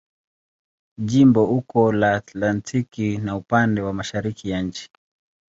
Jimbo uko la Atlantiki na upande wa mashariki ya nchi.